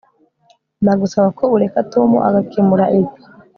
ndagusaba ko ureka tom agakemura ibi